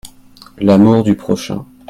L'amour du prochain.